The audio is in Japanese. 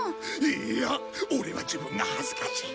いいやオレは自分が恥ずかしい。